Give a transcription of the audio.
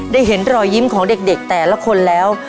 เห็นรอยยิ้มของเด็กแต่ละคนแล้ว